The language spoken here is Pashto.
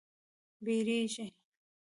بیږیږې